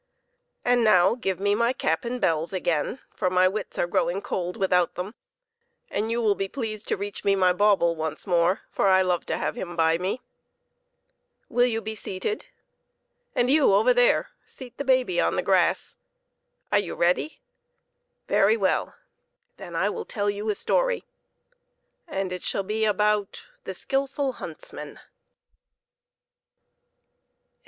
And now give me my cap and bells again, for my wits are growing cold without them ; and you will be pleased to reach me my bauble once more, for I love to have him by me. Will you be seated ? And you, over there, seat the baby on the grass ! Are you ready? Very well; then I will tell you a story, and it shall be about "The Skillful Huntsman."